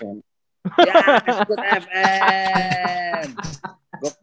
ya di sukut fm